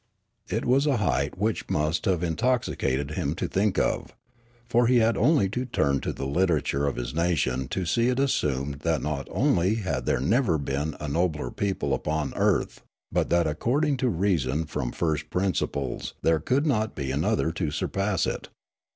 It was a height which must have intoxicated him to think of. For he had only to turn to the literature of his nation to see it assumed that not only had there never been a nobler people upon earth, but that accord ing to reasoning from first principles there could not be another to surpass it.